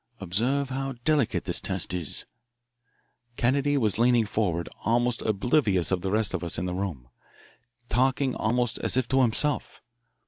Observe how delicate the test is " Kennedy was leaning forward, almost oblivious of the rest of us in the room, talking almost as if to himself.